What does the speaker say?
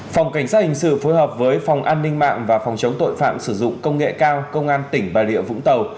phòng cảnh sát hình sự phối hợp với phòng an ninh mạng và phòng chống tội phạm sử dụng công nghệ cao công an tỉnh bà rịa vũng tàu